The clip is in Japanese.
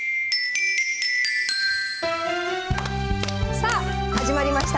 さあ始まりました